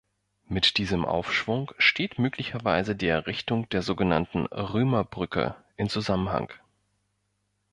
Mit diesem Aufschwung steht möglicherweise die Errichtung der sogenannten „Römerbrücke“ in Zusammenhang.